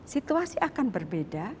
situasi akan berbeda